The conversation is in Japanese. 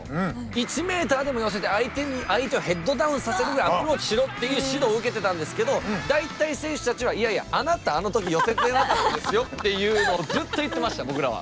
１メーターでも寄せて相手をヘッドダウンさせるぐらいアプローチしろっていう指導を受けてたんですけど大体選手たちはいやいやっていうのをずっと言ってました僕らは。